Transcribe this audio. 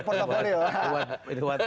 pertama kali ya